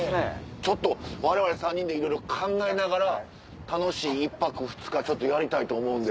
ちょっとわれわれ３人でいろいろ考えながら楽しい１泊２日やりたいと思うんで。